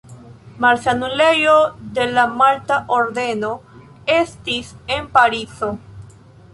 Malsanulejo de la Malta Ordeno estis en Parizo.